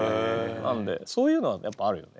なのでそういうのはやっぱあるよね。